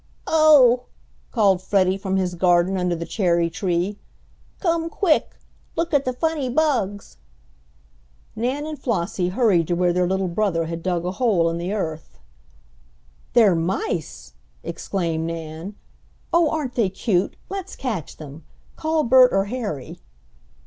"Oh," called Freddie from his garden under the cherry tree, "come quick! Look at the funny bugs!" Nan and Flossie hurried to where their little brother had dug a hole in the earth. "They're mice!" exclaimed Nan. "Oh, aren't they cute! Let's catch them. Call Bert or Harry."